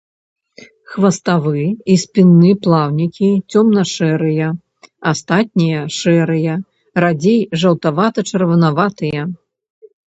Хваставы і спінны плаўнікі цёмна-шэрыя, астатнія шэрыя, радзей жаўтавата-чырванаватыя.